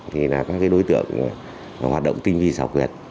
thì là các đối tượng hoạt động tinh vi sọc vẹt